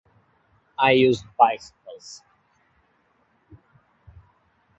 I use bicycles.